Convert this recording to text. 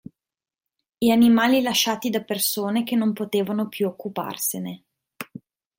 E animali lasciati da persone che non potevano più occuparsene.